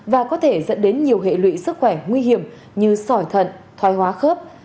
và có thể dẫn đến nhiều hệ lụy sức khỏe nguy hiểm như sỏi thận thoai hóa khớp